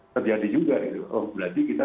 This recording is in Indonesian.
terjadi juga gitu oh berarti kita